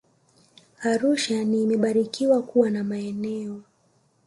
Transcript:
Arusha ni imebarikiwa kuwa na maeneo